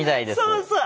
そうそう。